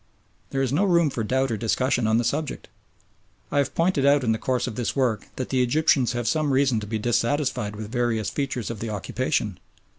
There is no room for doubt or discussion on the subject. I have pointed out in the course of this work that the Egyptians have some reason to be dissatisfied with various features of the occupation.